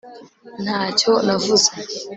ntacyo navuze